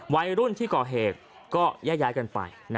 วัยรุ่นที่ก่อเหตุก็แยกย้ายกันไป